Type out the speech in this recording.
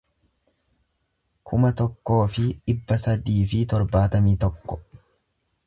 kuma tokkoo fi dhibba sadii fi torbaatamii tokko